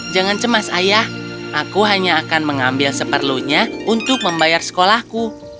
jangan cemas ayah aku hanya akan mengambil seperlunya untuk membayar sekolahku